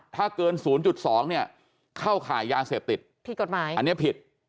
ถ้าเกิน๐๒เข้าขายยาเสพติดอันนี้ผิด